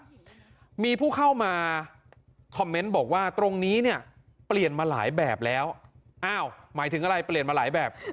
คุณผู้ชมมีผู้เข้ามาคอมเมนต์บอกว่าตรงนี้เนี่ยเปลี่ยนมาหลายแบบแล้วอ้าวหมายถึงอะไรเปลี่ยนมาหลายแบบ